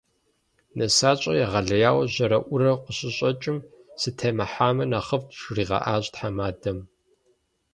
Нысащӏэр егъэлеяуэ жьэрэӏурэу къыщыщӏэкӏым, «сытемыхьами нэхъыфӏт» жригъэӏащ тхьэмадэм.